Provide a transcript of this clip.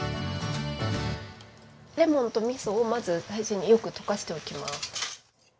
レモンとみそをまず最初によく溶かしておきます。